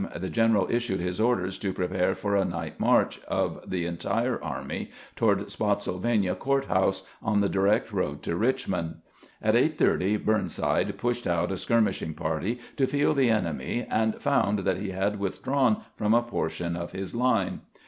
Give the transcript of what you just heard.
the general issued his orders to prepare for a night march of the entire army toward Spottsylvania Court house, on the direct road to Richmond. At 8 : 30 Burnside pushed out a 74 GEANT'S THIBD DAY IN THE WILDEENESS 75 skirmishing party to feel the enemy, and found that he had withdrawn from a portion of his line.